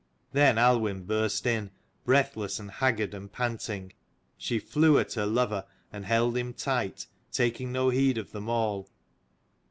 Then Aluinn burst in, breathless and haggard and panting. She flew at her lover and held him tight, taking no heed of them all.